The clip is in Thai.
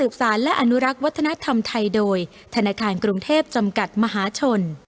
ข้าวแคบสีเขียวจากใบเตย